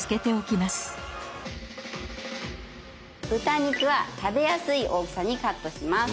肉は食べやすい大きさにカット。